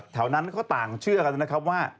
แถวนั้นเขาต่างเชื่อกันนะครับว่า